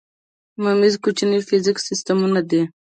میمز کوچني فزیکي سیسټمونه دي.